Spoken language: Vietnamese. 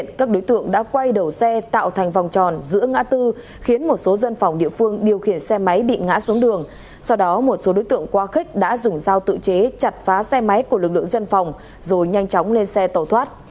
sau đó một số đối tượng qua khích đã dùng dao tự chế chặt phá xe máy của lực lượng dân phòng rồi nhanh chóng lên xe tàu thoát